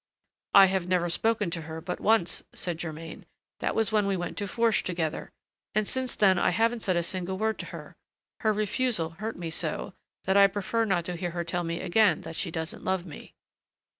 "I have never spoken to her but once," said Germain. "That was when we went to Fourche together; and since then I haven't said a single word to her. Her refusal hurt me so, that I prefer not to hear her tell me again that she doesn't love me."